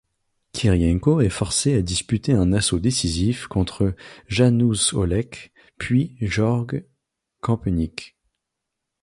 Kirienko est forcé à disputer un assaut décisif contre Janusz Olech, puis Jörg Kempenich.